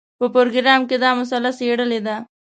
په پروګرام کې دا مسله څېړلې ده.